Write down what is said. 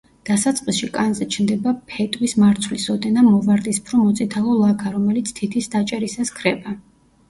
დასაწყისში კანზე ჩნდება ფეტვის მარცვლის ოდენა მოვარდისფრო-მოწითალო ლაქა, რომელიც თითის დაჭერისას ქრება.